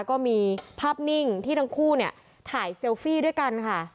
ก็มีภาพนิ่งที่ทั้งคู่เนี่ยถ่ายเซลฟี่ด้วยกันค่ะ